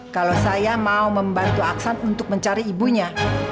kalau saya mau membantu aksan untuk mencari ibunya